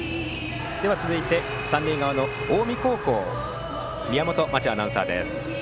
続いて、三塁側の近江高校宮本真智アナウンサーです。